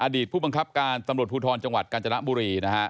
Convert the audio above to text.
ผู้บังคับการตำรวจภูทรจังหวัดกาญจนบุรี